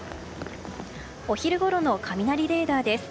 お昼ごろの雷レーダーです。